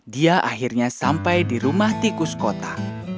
dia akhirnya sampai di rumah tikus kota